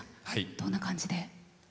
どんな感じで？